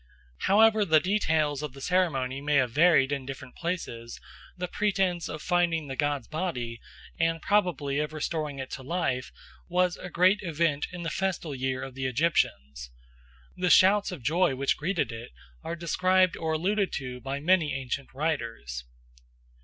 However the details of the ceremony may have varied in different places, the pretence of finding the god's body, and probably of restoring it to life, was a great event in the festal year of the Egyptians. The shouts of joy which greeted it are described or alluded to by many ancient writers.